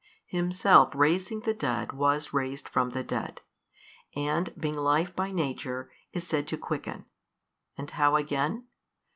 Himself raising the dead was raised from the dead, and being Life by Nature is said to quicken. And how again?